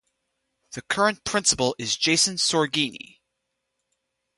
The current principal is Jason Sorgini.